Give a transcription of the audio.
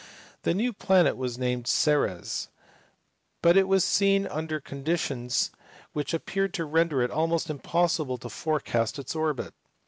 The new planet was named Ceres, but it was seen under conditions which appeared to render it almost impossible to forecast its orbit.